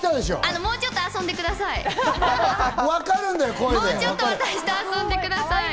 もうちょっと私と遊んでください。